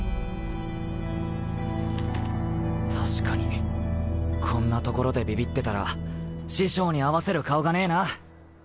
確かにこんなところでビビってたら師匠に合わせる顔がねえな。